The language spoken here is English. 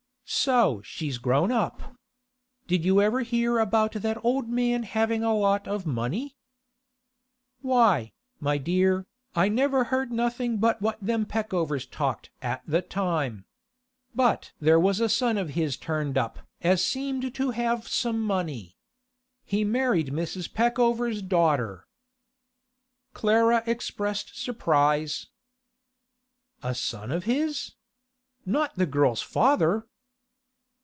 'So she's grown up. Did you ever hear about that old man having a lot of money?' 'Why, my dear, I never heard nothing but what them Peckovers talked at the time. But there was a son of his turned up as seemed to have some money. He married Mrs. Peckover's daughter.' Clara expressed surprise. 'A son of his? Not the girl's father?